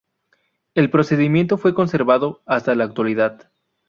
El procedimiento fue conservado hasta la actualidad.